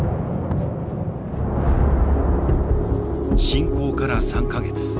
侵攻から３か月。